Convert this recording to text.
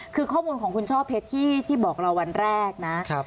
คือข้อมูลของคุณช่อเพชรที่บอกเราวันแรกนะ